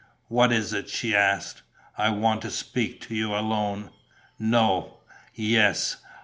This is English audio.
"What is it?" she asked. "I want to speak to you alone." "No." "Yes.